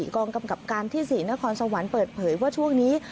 กองกำกับการที่๔นครสวรรค์เปิดเผยว่าช่วงนี้